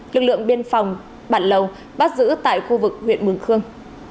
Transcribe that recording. lực lượng biên phòng bản lầu bắt giữ tại khu vực huyện mường khương